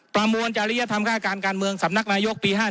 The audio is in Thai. ประมวลจริยธรรมค่าการการเมืองสำนักนายกปี๕๗